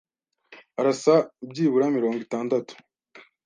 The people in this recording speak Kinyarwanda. Arasa byibura mirongo itandatu.